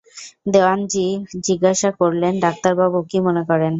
দেওয়ানজি জিজ্ঞাসা করলেন, ডাক্তারবাবু, কী মনে করেন?